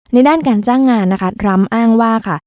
ในด้านการจ้างงานนะคะทรัมป์อ้างว่าค่ะ